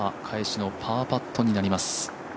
返しのパーパットになります。